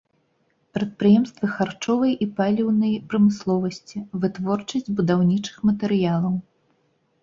Прадпрыемствы харчовай і паліўнай прамысловасці, вытворчасць будаўнічых матэрыялаў.